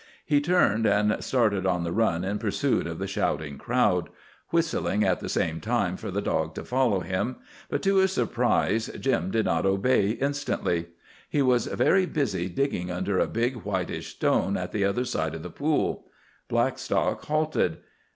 He turned and started on the run in pursuit of the shouting crowd, whistling at the same time for the dog to follow him. But to his surprise Jim did not obey instantly. He was very busy digging under a big whitish stone at the other side of the pool. Blackstock halted.